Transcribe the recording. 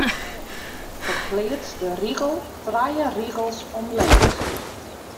Ferpleats de rigel trije rigels omleech.